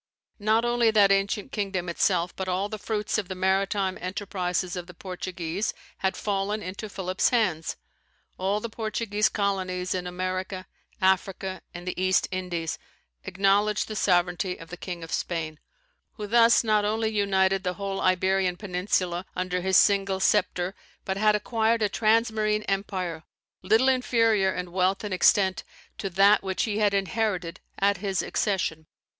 Not only that ancient kingdom itself, but all the fruits of the maritime enterprises of the Portuguese had fallen into Philip's hands. All the Portuguese colonies in America, Africa, and the East Indies, acknowledged the sovereignty of the King of Spain; who thus not only united the whole Iberian peninsula under his single sceptre, but had acquired a transmarine empire, little inferior in wealth and extent to that which he had inherited at his accession.